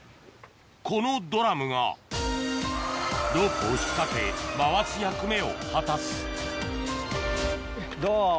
このドラムがロープを引っ掛け回す役目を果たすどう？